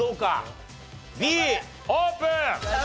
Ｂオープン！